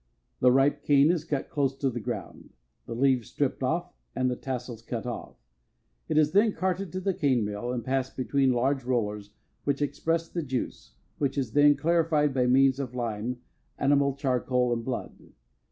The ripe cane is cut close to the ground, the leaves stripped off and the tassel cut off. It is then carted to the cane mill and passed between large rollers, which express the juice, which is then clarified by means of lime, animal charcoal and blood.